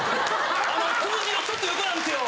つむじのちょっと横なんですよ。